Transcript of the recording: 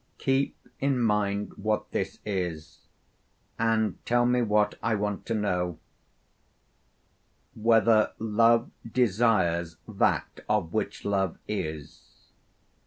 Keep in mind what this is, and tell me what I want to know whether Love desires that of which love is.